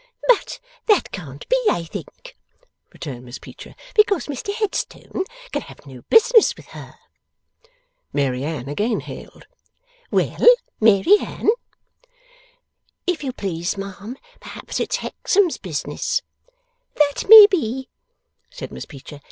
'But that can't be, I think,' returned Miss Peecher: 'because Mr Headstone can have no business with HER.' Mary Anne again hailed. 'Well, Mary Anne?' 'If you please, ma'am, perhaps it's Hexam's business?' 'That may be,' said Miss Peecher.